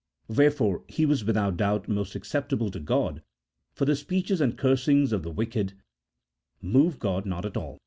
Wherefore he was without doubt most acceptable to God, for the speeches and cursings of the wicked move God not at all.